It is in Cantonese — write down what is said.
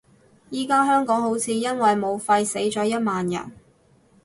而家香港好似因為武肺死咗一萬人